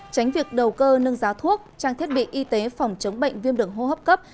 tránh việc đầu cơ nâng giá thuốc trang thiết bị y tế phòng chống bệnh viêm đường hô hấp cấp